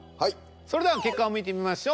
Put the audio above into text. それでは結果を見てみましょう。